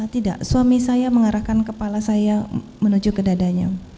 tidak suami saya mengarahkan kepala saya menuju ke dadanya